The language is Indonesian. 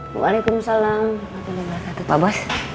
waalaikumsalam pak bos